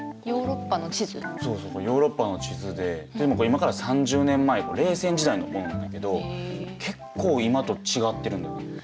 そうそうこれヨーロッパの地図で今から３０年前の冷戦時代のものなんだけど結構今と違ってるんだよね。